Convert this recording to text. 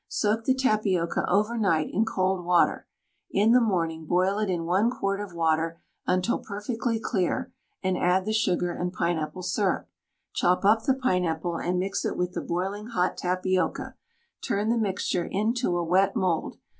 Soak the tapioca over night in cold water; in the morning boil it in 1 quart of water until perfectly clear, and add the sugar and pineapple syrup. Chop up the pineapple and mix it with the boiling hot tapioca; turn the mixture into a wet mould.